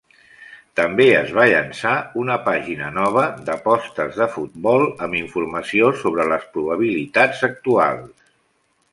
També es va llançar una pàgina nova d'apostes de futbol amb informació sobre les probabilitats actuals.